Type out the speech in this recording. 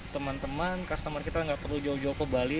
teman teman customer kita nggak perlu jauh jauh ke bali